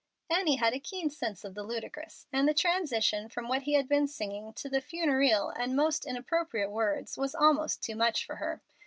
Annie had a keen sense of the ludicrous, and the transition from what he had been singing to the funereal and most inappropriate words was almost too much for her.